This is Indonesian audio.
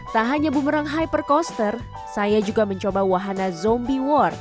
tak hanya bumerang hypercoaster saya juga mencoba wahana zombi